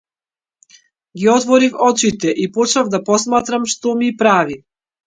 Ги отворив очите и почнав да посматрам што ми прави.